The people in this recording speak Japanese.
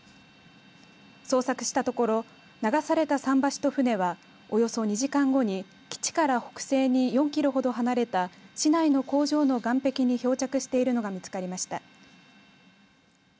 捜索したところ流された桟橋と船はおよそ２時間後に基地から北西に４キロほど離れた市内の工場の岸壁に漂着しているのが見つかりました。